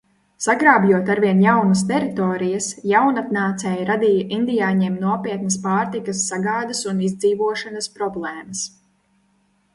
Sagrābjot arvien jaunas teritorijas, jaunatnācēji radīja indiāņiem nopietnas pārtikas sagādes un izdzīvošanas problēmas.